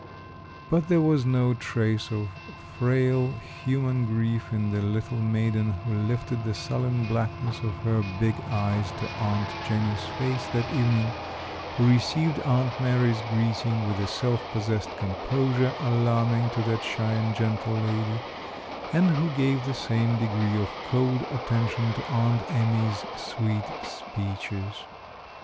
But there was no trace of frail, human grief in the little maiden who lifted the sullen blackness of her big eyes to Aunt Jenny's face that evening, who received Aunt Mary's greeting with a self possessed composure alarming to that shy and gentle lady, and who gave the same degree of cold attention to Aunt Amy's sweet speeches.